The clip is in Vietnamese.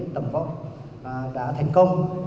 tầm võ đã thành công